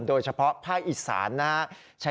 โดยเฉพาะภาคอิสรนะ